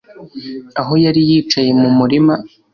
aho yari yicaye mu murima